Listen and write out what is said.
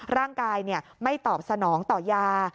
ร่างกายไม่ตอบสนองต่อยา